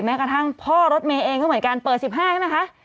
กระทั่งพ่อรถเมย์เองก็เหมือนกันเปิด๑๕ใช่ไหมคะ